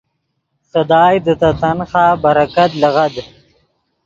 خدائے دے تے تنخواہ برکت لیغد۔